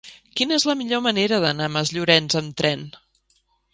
Quina és la millor manera d'anar a Masllorenç amb tren?